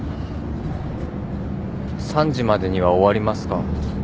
３時までには終わりますか？